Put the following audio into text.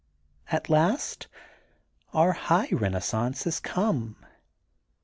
At last onr '^igh Benaissance has come.